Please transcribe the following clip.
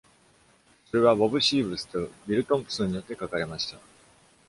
それはボブ・シーブスとビル・トンプソンによって書かれました。